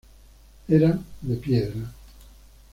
Eran de piedra.